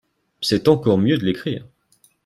C’est encore mieux de l’écrire